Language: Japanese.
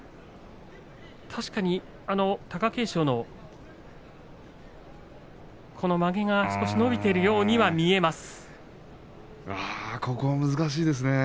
確かに貴景勝のこのまげが少し伸びているようには見えます。